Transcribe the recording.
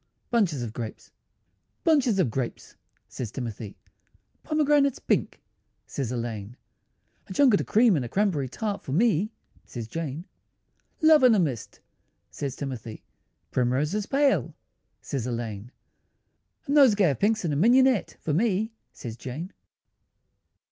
BUNCHES OF GRAPES "Bunches of grapes," says Timothy; "Pomegranates pink," says Elaine; "A junket of cream and a cranberry tart For me," says Jane. "Love in a mist," says Timothy; "Primroses pale," says Elaine; "A nosegay of pinks and mignonette For me," says Jane.